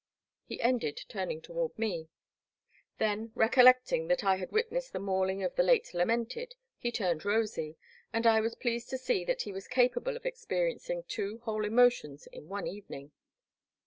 he ended, turning toward me. Then, recollecting that I had witnessed the mauling of the late lamented, he turned rosy, and I was pleased to see that he was capable of experiencing two whole emotions in one evening.